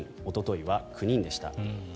おとといは９人でした。